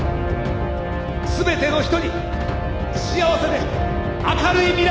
「すべての人に幸せで明るい未来を！」